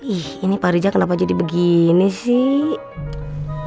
ih ini pak riza kenapa jadi begini sih